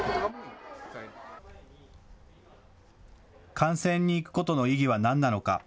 観戦に行くことの意義はなんなのか。